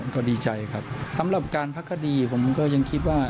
ก็ดีใจครับสำหรับการพักคดีผมก็ยังคิดว่า